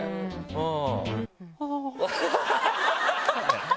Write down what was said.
うん！